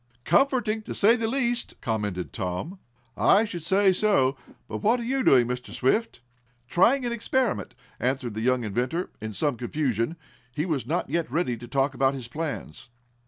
"Comforting, to say the least," commented Tom. "I should say so. But what are you doing, Mr. Swift?" "Trying an experiment," answered the young inventor, in some confusion. He was not yet ready to talk about his plans.